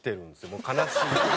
もう悲しい。